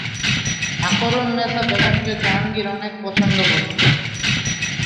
শাকর-উন-নেসা বেগমকে জাহাঙ্গীর অনেক পছন্দ করতেন।